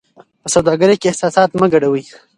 په سوداګرۍ کې احساسات مه ګډوئ.